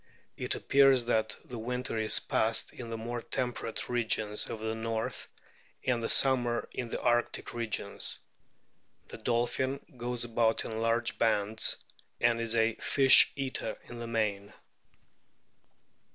It appears that the winter is passed in the more tem perate regions of the north, and the summer in the arctic regions. The dolphin goes about in large bands, and is a fish eater in the main.